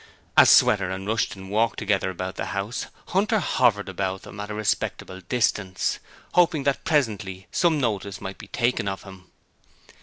As Sweater and Rushton walked together about the house, Hunter hovered about them at a respectable distance, hoping that presently some notice might be taken of him.